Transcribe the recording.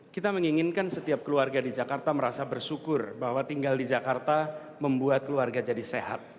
kita menginginkan setiap keluarga di jakarta merasa bersyukur bahwa tinggal di jakarta membuat keluarga jadi sehat